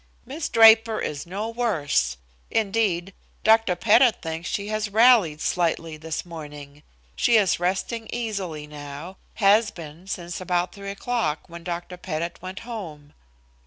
"Miss Draper is no worse. Indeed, Dr. Pettit thinks she has rallied slightly this morning. She is resting easily now, has been since about 3 o'clock, when Dr. Pettit went home."